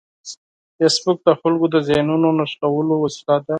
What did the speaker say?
فېسبوک د خلکو د ذهنونو نښلولو وسیله ده